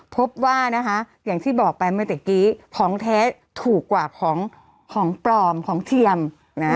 พบว่านะคะอย่างที่บอกไปเมื่อตะกี้ของแท้ถูกกว่าของของปลอมของเทียมนะ